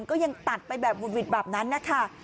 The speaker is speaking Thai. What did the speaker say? ก็ยังตัดไปแบบหุดหวิดแบบนั้นนะคะ